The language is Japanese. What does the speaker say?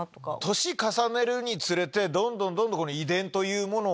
年重ねるにつれてどんどん遺伝というものを。